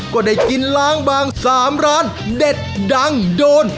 ก็ได้กินล้างบาง๓ร้านเด็ดดังโดน